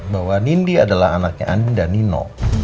bahwa nindi adalah anaknya andi dan nino